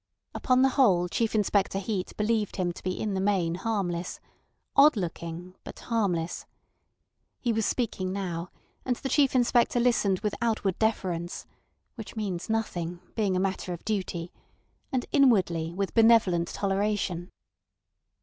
Upon the whole Chief Inspector Heat believed him to be in the main harmless—odd looking, but harmless. He was speaking now, and the Chief Inspector listened with outward deference (which means nothing, being a matter of duty) and inwardly with benevolent toleration.